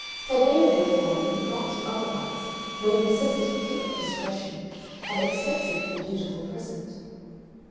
Taddeo, therefore, who could not do otherwise, made necessity kick at discretion, and accepted the beautiful present.